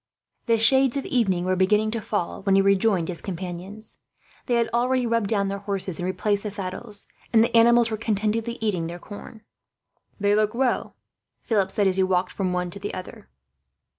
The shades of evening were beginning to fall, when he rejoined his companions. They had already rubbed down their horses and replaced the saddles, and the animals were contentedly eating their corn. "They look well," Philip said, as he walked from one to the other.